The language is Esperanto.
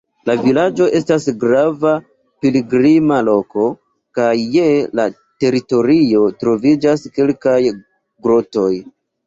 La vilaĝo estas grava pilgrima loko, kaj je la teritorio troviĝas kelkaj grotoj.